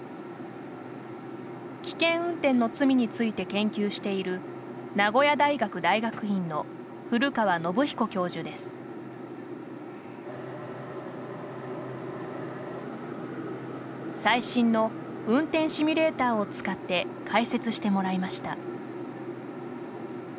危険運転の罪について研究している最新の運転シミュレーターを使って解説してもらいました。